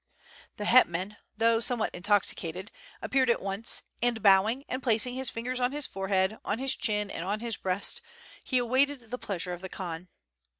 The hetman, though somewhat intoxicated, appeared at once, and bowing and placing his fingers on his forehead, on his chin, and on his breast, he awaited thepleasure of the Khan.